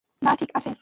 না, ঠিকাছে।